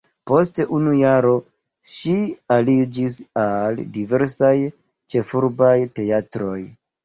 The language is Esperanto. Post unu jaro ŝi aliĝis al diversaj ĉefurbaj teatroj.